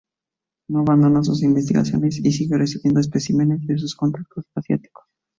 No abandona sus investigaciones, y sigue recibiendo especímenes de sus contactos asiáticos.